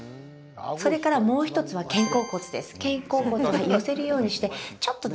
それからもう１つは肩甲骨です。